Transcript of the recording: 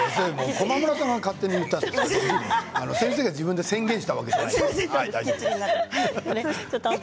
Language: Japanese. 駒村さんが勝手に言ったんだから、先生が自分で宣言したわけじゃないから。